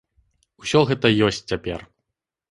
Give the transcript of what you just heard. Усё гэта ёсць цяпер.